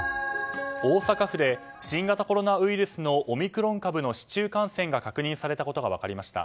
大阪府で新型コロナウイルスのオミクロン株の市中感染が確認されたことが分かりました。